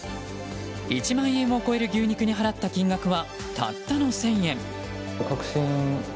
１万円を超える牛肉に払った金額はたったの１０００円。